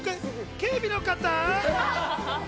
警備の方！